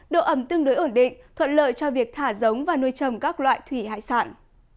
độ ẩm tương đối ổn định thuận lợi cho việc thả giống và nuôi trồng các loại thủy hải sản